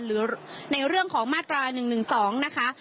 หรือในเรื่องของมาตรา๑๑๒นะคะ